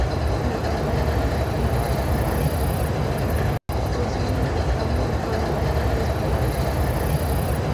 En el campamento de Nahr al-Bared prosiguen intercambios de fuego esporádicos.